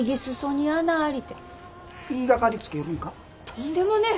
とんでもねえ。